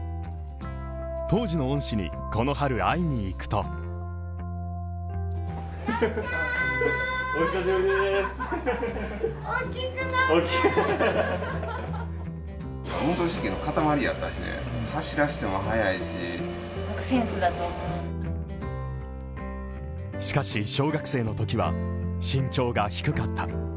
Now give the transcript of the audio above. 当時の恩師に、この春、会いにいくとしかし、小学生のときは身長が低かった。